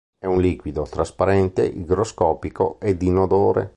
È un liquido trasparente, igroscopico ed inodore.